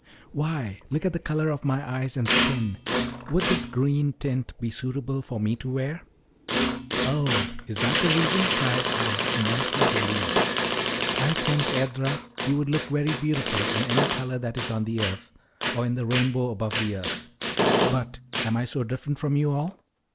"Why, look at the color of my eyes and skin would this green tint be suitable for me to wear?" "Oh, is that the reason!" cried I, immensely relieved. "I think, Edra, you would look very beautiful in any color that is on the earth, or in the rainbow above the earth. But am I so different from you all?"